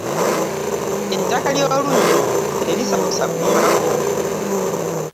Ettaka ly'olunnyo terisanyusa kulimako.